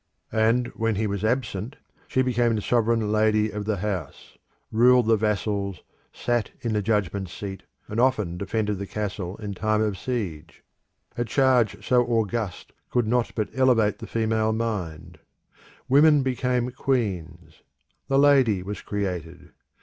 And when he was absent, she became the sovereign lady of the house, ruled the vassals, sat in the judgment seat, and often defended the castle in time of siege. A charge so august could not but elevate the female mind. Women became queens. The Lady was created.